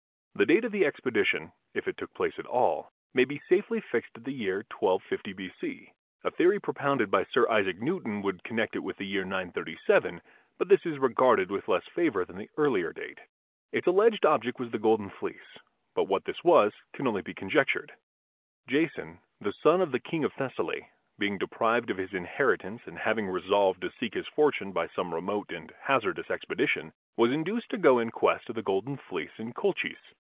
The date of the expedition, if it took place at all, may be safely fixed at the year 1250 B.C. A theory propounded by Sir Isaac Newton would connect it with the year 937, but this is regarded with less favor than the earlier date. Its alleged object was the Golden Fleece, but what this was can only be conjectured." Jason, the son of the King of Thessaly, being deprived of his inheritance and having resolved to seek his fortune by some remote and hazardous expedition, was induced to go in quest of the Golden Fleece in Colchis.